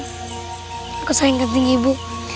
aku sayangkan kanjing ibu